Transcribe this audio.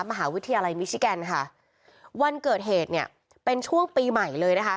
มหาวิทยาลัยมิชิแกนค่ะวันเกิดเหตุเนี่ยเป็นช่วงปีใหม่เลยนะคะ